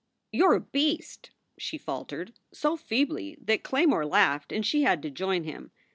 "You re a beast!" she faltered so feebly that Claymore laughed and she had to join him.